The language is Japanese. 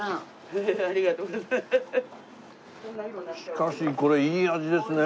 しかしこれいい味ですね。